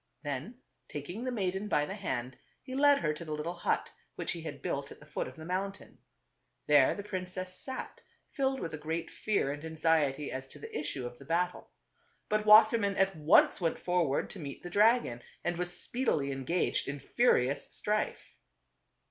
Then taking the maiden by the hand, he led her to the little hut which he had built at the foot of the mountain. There the princess sat, filled with a great fear and anxiety as to the issue of the battle. But Wassermann at once went forward to meet the dragon, and was speedily engaged in furious strife.